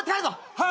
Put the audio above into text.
はい。